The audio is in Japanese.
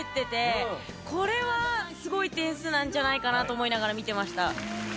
これはすごい点数なんじゃないかなと思いながら見てました。